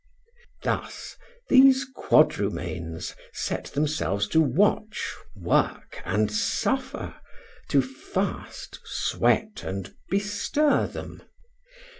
Thus, these quadrumanes set themselves to watch, work, and suffer, to fast, sweat, and bestir them.